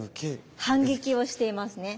反撃をしていますね。